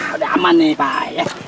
udah aman nih pak